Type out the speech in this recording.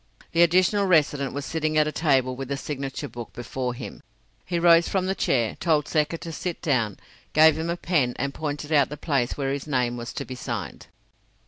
The Additional Resident was sitting at a table with the signature book before him. He rose from the chair, told Secker to sit down, gave him a pen, and pointed out the place where his name was to be signed.